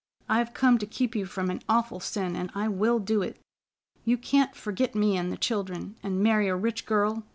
I've come to keep you from an awful sin, and I will do it. You can't forgit me an' the children, and marry a rich girl.